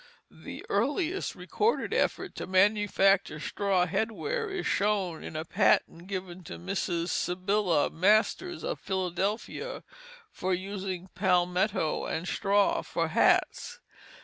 The earliest recorded effort to manufacture straw head wear is shown in a patent given to Mrs. Sibylla Masters of Philadelphia, for using palmetto and straw for hats.